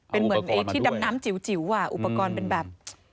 เป็นเหมือนที่ดำน้ำจิ๋วอุปกรณ์เป็นแบบ